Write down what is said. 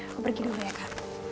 aku pergi dulu ya kak